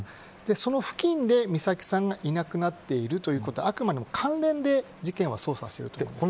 その付近で美咲さんがいなくなっているということはあくまでも関連で事件を捜査しています。